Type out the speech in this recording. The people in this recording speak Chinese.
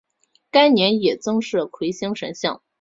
该年也增设魁星神像。